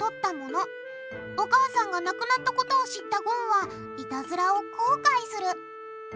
お母さんが亡くなったことを知ったごんはイタズラを後悔する。